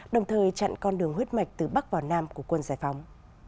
đồng thời chặn con đường huyết mạch từ bắc vào nam của quân giải phóng